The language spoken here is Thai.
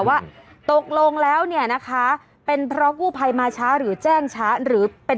ว่าตกลงแล้วเนี่ยนะคะเป็นเพราะกู้ภัยมาช้าหรือแจ้งช้าหรือเป็น